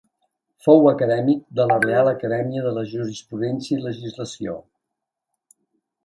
Fou acadèmic de la Reial Acadèmia de Jurisprudència i Legislació.